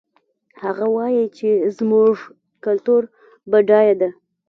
هغه وایي چې زموږ کلتور بډایه ده